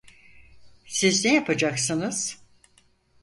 Siz ne yapacaksınız?